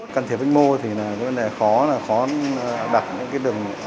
căn thiệp ecmo thì cái vấn đề khó là khó đặt những cái đường